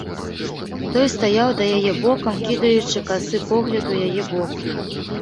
Той стаяў да яе бокам, кідаючы касы погляд у яе бок.